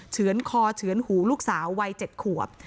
เฉือนคอเฉือนหูลูกสาววัย๗ขวบ